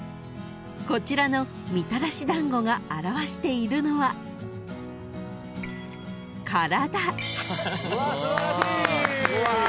［こちらのみたらし団子が表しているのは］素晴らしい！